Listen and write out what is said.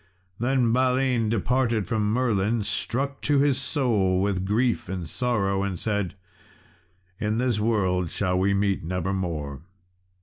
Then Balin departed from Merlin, struck to his soul with grief and sorrow, and said, "In this world shall we meet never more."